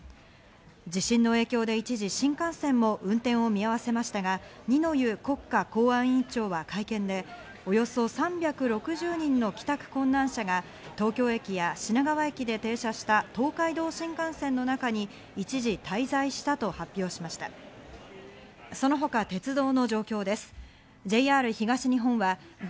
地震の影響で一時、新幹線も運転を見合わせましたが、二之湯国家公安委員長は会見で、およそ３６０人の帰宅困難者が東京駅や品川駅で停車した東海道新幹線の中に一時滞在したと発表しました。